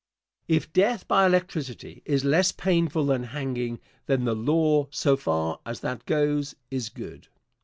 Answer. If death by electricity is less painful than hanging, then the law, so far as that goes, is good.